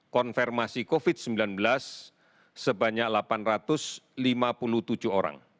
konfirmasi covid sembilan belas sebanyak delapan ratus lima puluh tujuh orang